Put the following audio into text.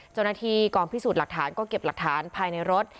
เจ้าหน้าที่กองพิสูจน์หลักฐานก็เก็บหลักฐานภายในรถ